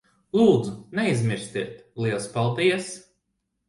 Lūdzu, neaizmirstiet. Liels paldies.